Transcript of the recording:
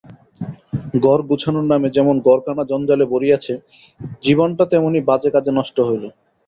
ঘর গোছানোর নামে যেমন ঘরখানা জঞ্জালে ভরিয়াছে, জীবনটা তেমনি বাজে কাজে নষ্ট হইল।